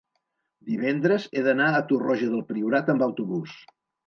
divendres he d'anar a Torroja del Priorat amb autobús.